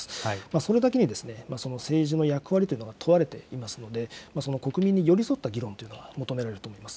それだけに、政治の役割というのが問われていますので、その国民に寄り添った議論というのが求められると思います。